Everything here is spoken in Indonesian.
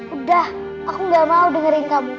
udah aku gak mau dengerin kamu